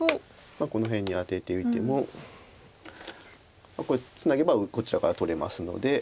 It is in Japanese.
この辺にアテていてもこれツナげばこちらから取れますので。